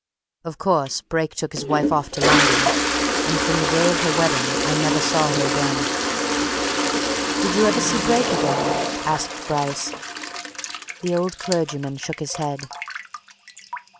Of course, Brake took his wife off to London and from the day of her wedding, I never saw her again." "Did you ever see Brake again?" asked Bryce. The old clergyman shook his head.